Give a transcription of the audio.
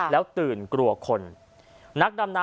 แล้วตื่นกลัวคน